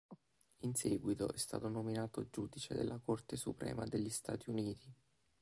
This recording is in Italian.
In seguito è stato nominato giudice della Corte suprema degli Stati Uniti.